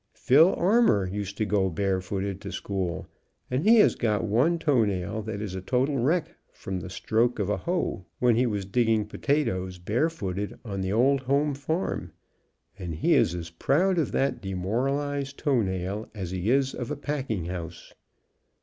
Phil. Armour used to go barefooted to school, and he has got one toe nail that is a total wreck from the stroke of a hoe when he was digging potatoes barefooted, on the old home farm, and he is as proud of that demoralized toe nail as he is of a packing house.